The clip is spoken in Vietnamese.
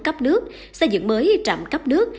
cấp nước xây dựng mới trạm cấp nước